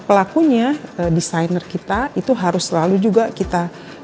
pelakunya desainer kita itu harus selalu juga kita